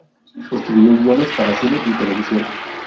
Escribió guiones para cine y television.